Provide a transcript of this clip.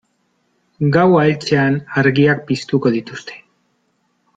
Gaua heltzean argiak piztuko dituzte.